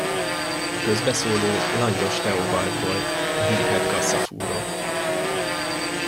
A közbeszóló Langyos Teobald volt, a hírhedt kasszafúró.